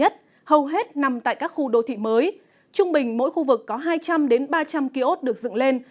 hầu hết nằm tại các khu đô thị mới trung bình mỗi khu vực có hai trăm linh ba trăm linh kiosk được dựng lên